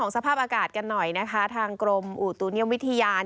สภาพอากาศกันหน่อยนะคะทางกรมอุตุนิยมวิทยา